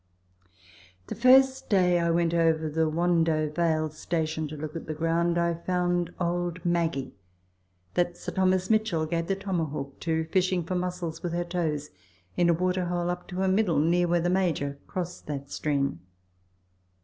The first day I went over the Wando Vale Station to look at the ground I found old Maggie (that Sir Thomas Mitchell gave the tomahawk to) fishing for muscles with her toes, in a waterhole up to her middle, near where the Major crossed that stream.